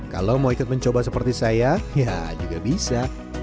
kalau mau ikut mencoba seperti saya ya juga bisa